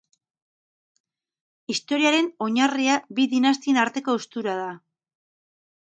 Historiaren oinarria bi dinastien arteko haustura da.